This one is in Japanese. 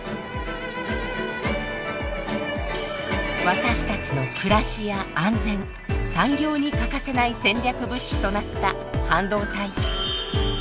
私たちの暮らしや安全産業に欠かせない戦略物資となった半導体。